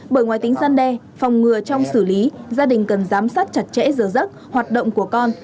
bởi ngoài tính găng đe phòng ngừa trong xử lý gia đình cần giám sát chặt chẽ dở dắt hoạt động của con